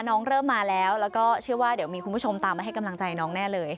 เริ่มมาแล้วแล้วก็เชื่อว่าเดี๋ยวมีคุณผู้ชมตามมาให้กำลังใจน้องแน่เลย